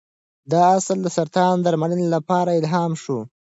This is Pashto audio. دا اصل د سرطان درملنې لپاره الهام شو.